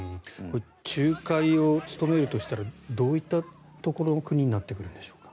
仲介を務めるとしたらどういったところの国になってくるんでしょうか。